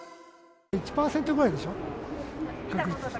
１％ぐらいでしょ。